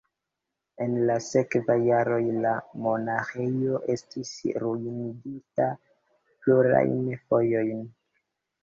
En la sekvaj jaroj la monaĥejo estis ruinigita plurajn fojojn.